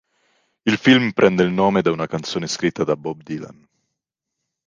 Il film prende il nome da una canzone scritta da Bob Dylan.